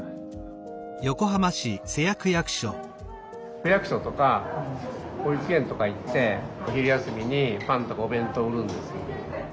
区役所とか保育園とか行ってお昼休みにパンとかお弁当売るんです。